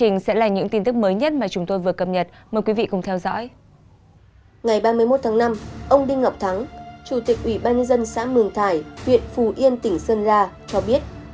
ngày ba mươi một tháng năm ông đinh ngọc thắng chủ tịch ủy ban dân xã mường thải huyện phù yên tỉnh sơn la cho biết